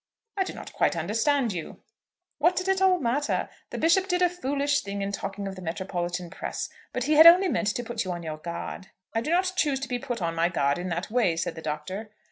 "I do not quite understand you." "What did it all matter? The Bishop did a foolish thing in talking of the metropolitan press. But he had only meant to put you on your guard." "I do not choose to be put on my guard in that way," said the Doctor.